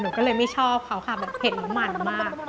หนูก็เลยไม่ชอบเขาค่ะแบบเห็นมันมาก